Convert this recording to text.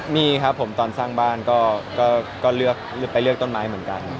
มีครับผมตอนสร้างบ้านก็เลือกไปเลือกต้นไม้เหมือนกัน